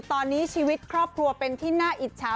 ตอนนี้ชีวิตครอบครัวเป็นที่น่าอิจฉา